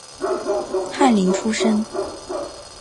翰林出身。